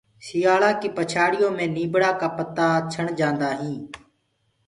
سيآݪآ ڪيٚ پڇاڙيو مي نيٚڀڙآ ڪآ متآ ڇڻ جآنٚدآ هينٚ